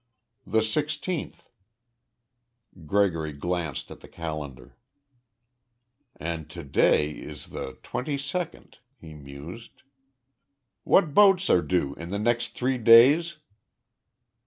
"The sixteenth." Gregory glanced at the calendar. "And to day is the twenty second," he mused. "What boats are due in the next three days?"